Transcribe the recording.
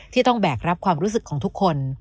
ต้องแบกรับความรู้สึกของทุกคน